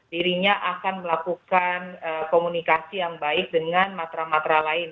dirinya akan melakukan komunikasi yang baik dengan matra matra lain